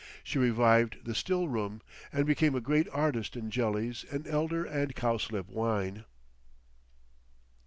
She revived the still room, and became a great artist in jellies and elder and cowslip wine.